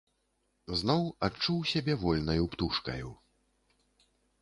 Зноў адчуў сябе вольнаю птушкаю.